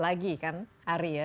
lagi kan hari ya